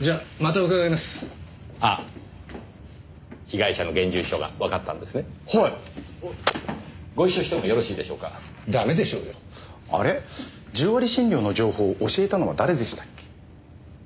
１０割診療の情報を教えたのは誰でしたっけ？